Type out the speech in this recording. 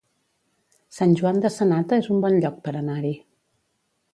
Sant Joan de Sanata és un bon lloc per anar-hi